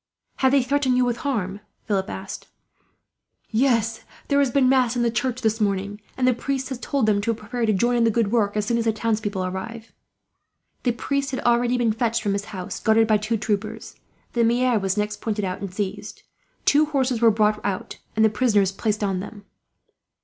"Have they threatened you with harm?" Philip asked. "Yes; there has been mass in the church this morning, and the priest has told them to prepare to join in the good work, as soon as the townspeople arrive." The priest had already been fetched from his house, guarded by two troopers. The maire was next pointed out, and seized. Two horses were brought out, and the prisoners placed on them.